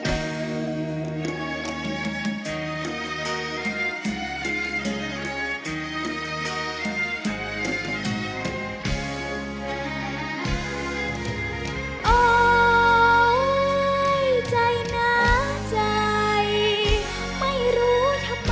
เธออยู่ในกรุณาที่ทำไมเธอไม่ได้ดู